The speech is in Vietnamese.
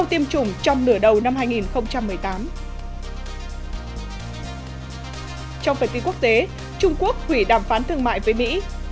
trong phần tin quốc tế trung quốc hủy đàm phán thương mại với mỹ